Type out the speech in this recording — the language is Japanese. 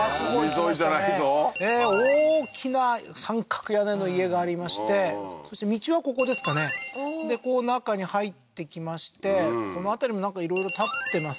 海沿いじゃないぞ大きな三角屋根の家がありましてそして道はここですかねでこう中に入ってきましてこの辺りもなんかいろいろ建ってます